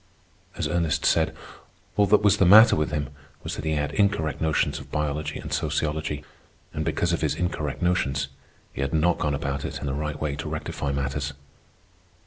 As Ernest said, all that was the matter with him was that he had incorrect notions of biology and sociology, and because of his incorrect notions he had not gone about it in the right way to rectify matters.